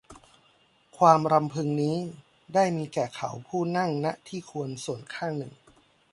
ความรำพึงนี้ได้มีแก่เขาผู้นั่ง ณ ที่ควรส่วนข้างหนึ่ง